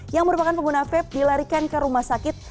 yang merupakan pengguna vape dilarikan ke rumah sakit